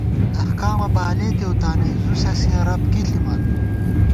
احکامہ بالېتېؤ تانَئ ، زُوسَسِیَہ رب کی ݪِمان